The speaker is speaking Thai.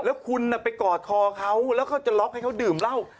แลาคุณไปกอดคอเขาก็จะล็อกให้เขาดื่มเล่า